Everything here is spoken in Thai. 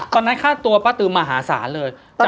ตอนนั้นฆ่าตัวป้าตือมหาศาลเลย